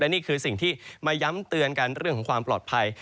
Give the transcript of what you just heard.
นี่คือสิ่งที่มาย้ำเตือนกันเรื่องของความปลอดภัย